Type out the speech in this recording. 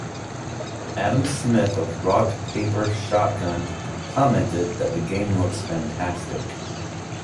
Adam Smith of Rock, Paper, Shotgun commented that the game looks fantastic.